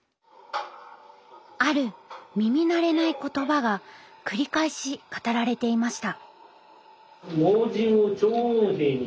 ある耳慣れない言葉が繰り返し語られていました。